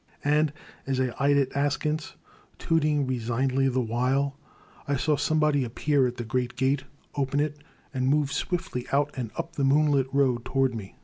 And, as I eyed it askance, tooting resignedly the while, I saw somebody appear at the great gate, open it, and move swiftly out and up the moonlit road toward me.